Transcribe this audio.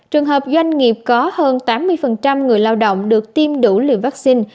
trường hợp doanh nghiệp có hơn tám mươi người lao động được tiêm đủ liều vaccine